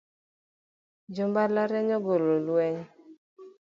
Jo mbalariany ogolo lweny